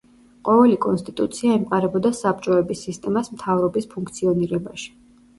ყოველი კონსტიტუცია ემყარებოდა საბჭოების სისტემას მთავრობის ფუნქციონირებაში.